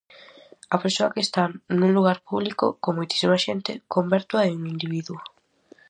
A persoa que está nun lugar público, con moitísima xente, convértoa en individuo.